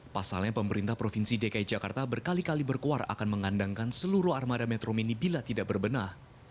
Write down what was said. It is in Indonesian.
pasalnya pemerintah provinsi dki jakarta berkali kali berkuar akan mengandangkan seluruh armada metro mini bila tidak berbenah